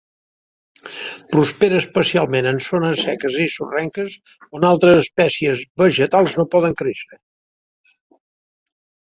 Prospera especialment en zones seques i sorrenques on altres espècies vegetals no poden créixer.